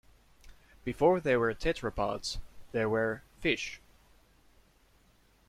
Before there were tetrapods, there were fish.